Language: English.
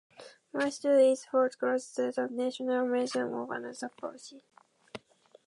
The statue is found close to the National Museum of Anthropology.